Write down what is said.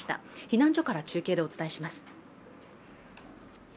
避難所から中継でお伝えします。